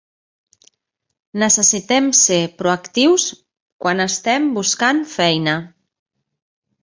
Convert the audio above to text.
Necessitem ser proactius quan estem buscant feina.